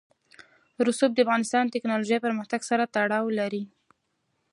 رسوب د افغانستان د تکنالوژۍ پرمختګ سره تړاو لري.